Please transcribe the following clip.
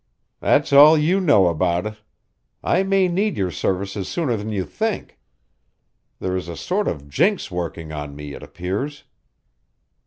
"That's all you know about it. I may need your services sooner than you think. There is a sort of jinx working on me, it appears."